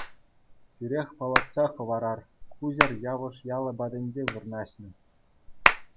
Тӳрех палӑртса хӑварар, ку ҫӗр Явӑш ялӗ патӗнче вырнаҫнӑ.